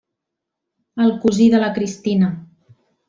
El cosí de la Cristina.